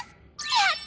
やった！